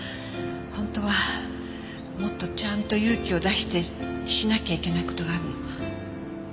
本当はもっとちゃんと勇気を出してしなきゃいけない事があるの。